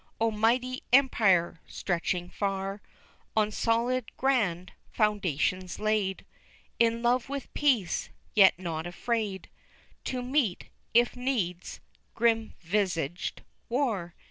O mighty Empire, stretching far, On solid, grand, foundations laid, In love with peace, yet not afraid To meet, if needs, grim visaged war.